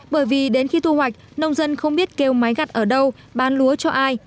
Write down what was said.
bởi vì đến khi thu hoạch nông dân không biết kêu máy gặt ở đâu bán lúa cho ai